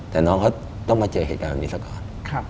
แต่น้องเขาต้องมาเจอเหตุการณ์แบบนี้ซะก่อน